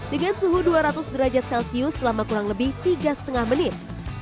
dengan suhu dua ratus derajat celcius selama kurang lebih tiga lima menit